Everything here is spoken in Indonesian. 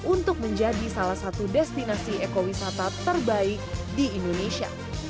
untuk menjadi salah satu destinasi ekowisata terbaik di indonesia